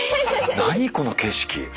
何この景色。